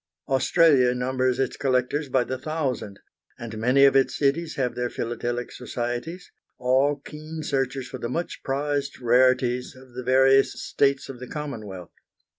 Australia numbers its collectors by the thousand, and many of its cities have their philatelic societies, all keen searchers for the much prized rarities of the various States of the Commonwealth.